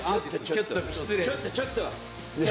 ちょっと！